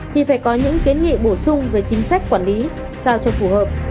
thì phải có những kiến nghị bổ sung về chính sách quản lý sao cho phù hợp